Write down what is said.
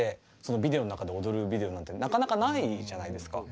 ビデオの中で踊るビデオなんてなかなかないじゃないですか。